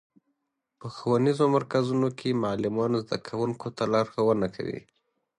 په ښوونیزو مرکزونو کې معلمان زدهکوونکو ته لارښوونه کوي.